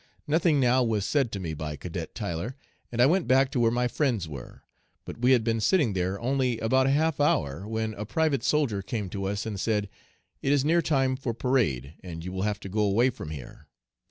Nothing now was said to me by Cadet Tyler, and I went back to where my friends were: but we had been sitting there only about a half hour, when a private soldier came to us and said, 'It is near time for parade, and you will have to go away from here.'